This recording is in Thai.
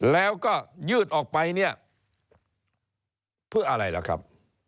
แล้วก็ยืดออกไปเนี่ยเพื่ออะไรล่ะครับ